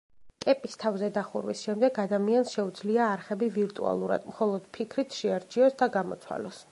კეპის თავზე დახურვის შემდეგ, ადამიანს შეუძლია არხები ვირტუალურად, მხოლოდ ფიქრით შეარჩიოს და გამოცვალოს.